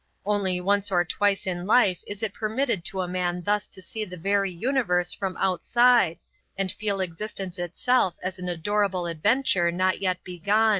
Only once or twice in life is it permitted to a man thus to see the very universe from outside, and feel existence itself as an adorable adventure not yet begun.